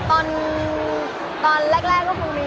มันเป็นเรื่องน่ารักที่เวลาเจอกันเราต้องแซวอะไรอย่างเงี้ย